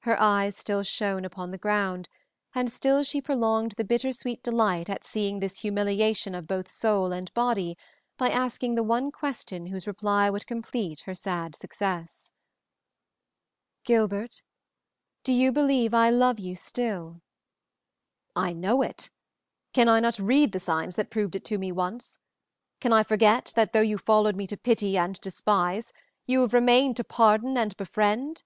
Her eyes still shone upon the ground, and still she prolonged the bittersweet delight at seeing this humiliation of both soul and body by asking the one question whose reply would complete her sad success. "Gilbert, do you believe I love you still?" "I know it! Can I not read the signs that proved it to me once? Can I forget that, though you followed me to pity and despise, you have remained to pardon and befriend?